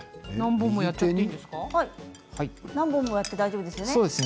何本もやって大丈夫ですか。